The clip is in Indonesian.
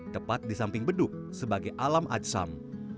tepat di samping beduk sebagai alam acam